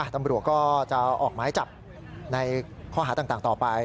ตำรวจก็จะออกหมายจับในข้อหาต่างต่อไป